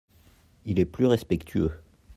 Il est plus respectueux.